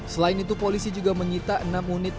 selain itu polisi juga mengita enam unit mobilnya